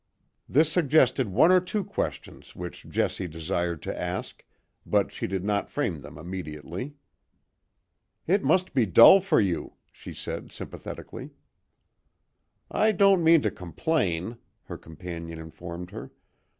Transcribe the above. This suggested one or two questions, which Jessie desired to ask, but she did not frame them immediately. "It must be dull for you," she said sympathetically. "I don't mean to complain," her companion informed her.